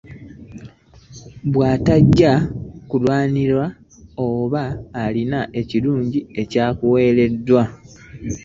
Bwatajja kulwana aba alina ekrunji ky'akuletedde .